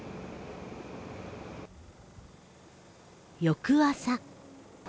翌朝。